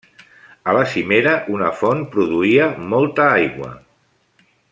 A la cimera una font produïa molta aigua.